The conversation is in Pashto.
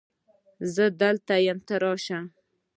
زه دلته یم ته راشه